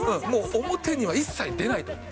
もう表には一切出ないと。